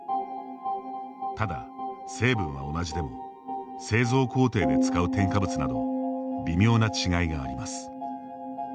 ただ、成分は同じでも製造工程で使う添加物など微妙な違いがあります。